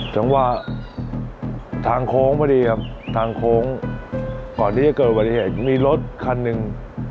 จังหวะทางโค้งพอดีครับทางโค้งก่อนที่จะเกิดอุบัติเหตุมีรถคันหนึ่ง